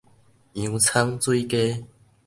洋蔥水雞